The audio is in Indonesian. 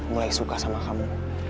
mulai suka sama kamu